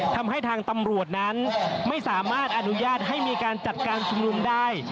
ทำให้ทางตำรวจนั้นไม่สามารถอนุญาตให้มีการจัดการชุมนุมได้